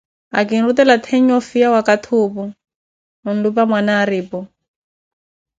Akiirutela theenya ofiya wakathi opu khulupa Mwanaripu.